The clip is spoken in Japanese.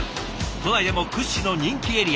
都内でも屈指の人気エリア。